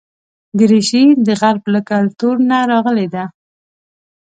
دریشي د غرب له کلتور نه راغلې ده.